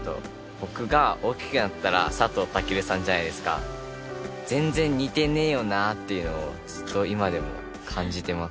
僕が大きくなったら佐藤健さんじゃないですか全然似てねーよなっていうのをずっと今でも感じてます